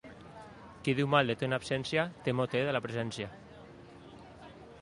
Qui diu mal de tu en absència, temor té de ta presència.